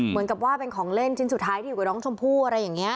เหมือนกันว่าเป็นของเล่นจิ้นสุดใช้หรือไอ้น้องชมพู่อะไรอย่างเนี่ย